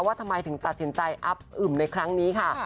ว่าทำไมถึงตัดสินใจอับอึมในครั้งนี้ค่ะ